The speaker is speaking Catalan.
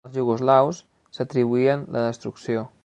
Els iugoslaus s'atribuïen la destrucció.